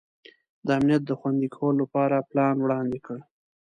د امنیت د خوندي کولو لپاره پلان وړاندي کړ.